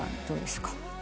どうですか？